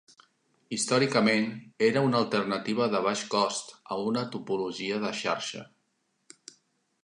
Històricament, era una alternativa de baix cost a una topologia de xarxa.